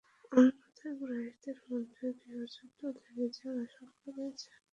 অন্যথায় কুরাইশদের মধ্যে গৃহযুদ্ধ লেগে যাবার আশঙ্কা রয়েছে।